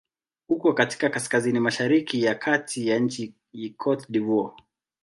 Uko katika kaskazini-mashariki ya kati ya nchi Cote d'Ivoire.